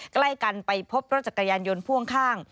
ใกล้กันไปพบรถจักรยานยนต์พ่วงข้าง